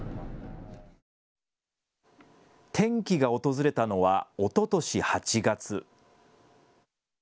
転機が訪れたのはおととし８月。